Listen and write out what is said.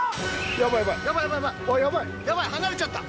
ヤバい離れちゃった。